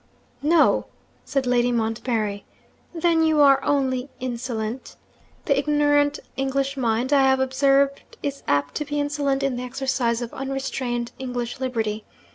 'No?' said Lady Montbarry. 'Then you are only insolent? The ignorant English mind (I have observed) is apt to be insolent in the exercise of unrestrained English liberty.